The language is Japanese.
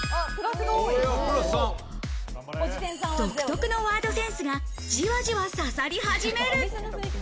独特のワードセンスがじわじわ刺さり始める。